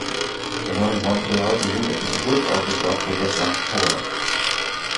Der Name Montreal beruht auf dem Geburtsort des Schlagzeugers Max Power.